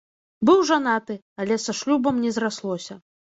Быў жанаты, але са шлюбам не зраслося.